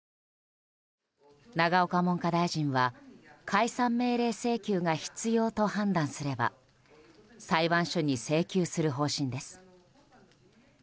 永岡文科大臣は解散命令請求が必要と判断すれば裁判所に請求する方針です。